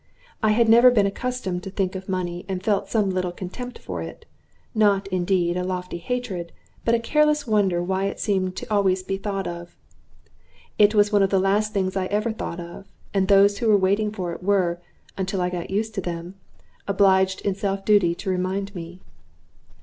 I had never been accustomed to think of money, and felt some little contempt for it not, indeed, a lofty hatred, but a careless wonder why it seemed to be always thought of. It was one of the last things I ever thought of; and those who were waiting for it were until I got used to them obliged in self duty to remind me.